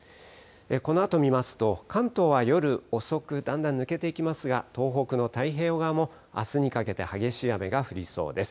このあと見ますと、関東は夜遅く、だんだん抜けていきますが、東北の太平洋側もあすにかけて激しい雨が降りそうです。